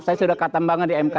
saya sudah katam banget di mk